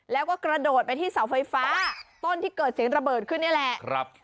แล้วก็กระโดดไปที่เสาไฟฟ้าต้นที่เกิดเสียงระเบิดขึ้นนี่แหละ